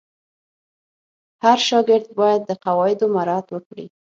هر شاګرد باید د قواعدو مراعت وکړي.